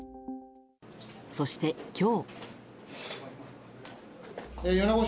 そして、今日。